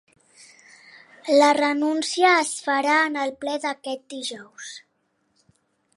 La renúncia es farà en el ple d’aquest dijous.